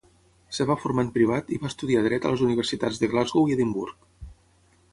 Es va formar en privat i va estudiar dret a les universitats de Glasgow i Edimburg.